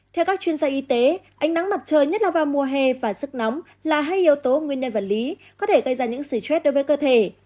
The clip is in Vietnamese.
theo các chuyên gia y tế ánh nắng mặt trời nhất là vào mùa hè và sức nóng là hai yếu tố nguyên nhân vật lý có thể gây ra những sử chết đối với cơ thể